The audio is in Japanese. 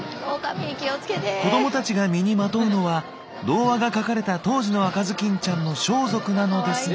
子どもたちが身にまとうのは童話が書かれた当時の赤ずきんちゃんの装束なのですが。